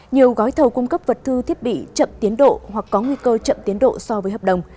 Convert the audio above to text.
nhiều gói thầu cung cấp vật thư thiết bị chậm tiến độ hoặc có nguy cơ chậm tiến độ so với hợp đồng